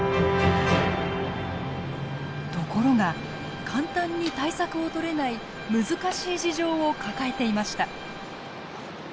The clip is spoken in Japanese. ところが簡単に対策をとれない難しい事情を抱えていました。